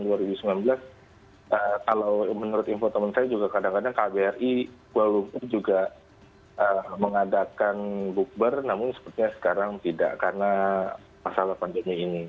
kalau menurut info teman saya juga kadang kadang kbri kuala lumpur juga mengadakan bukber namun sepertinya sekarang tidak karena masalah pandemi ini